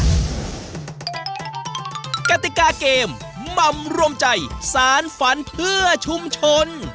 กติกาเกมหม่ำรวมใจสารฝันเพื่อชุมชน